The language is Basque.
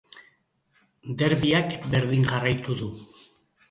Derbiak berdin jarraitu du.